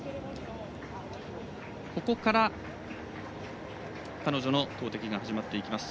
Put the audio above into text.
ここから、彼女の投てきが始まっていきます。